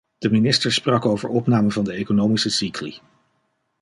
De minister sprak over opname van de economische cycli.